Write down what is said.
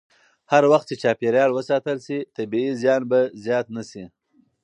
هر وخت چې چاپېریال وساتل شي، طبیعي زیان به زیات نه شي.